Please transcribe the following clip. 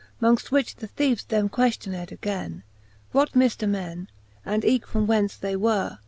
Mongft which the theeves them queftioned againe, What mifter men, and eke from whence they were.